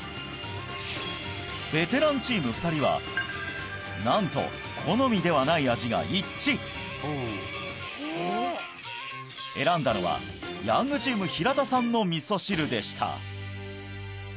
ベテランチーム２人はなんと好みではない味が一致選んだのはヤングチーム平田さんの味噌汁でした